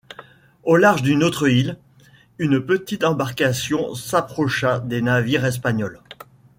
Au large d'une autre île, une petite embarcation s'approcha des navires espagnols.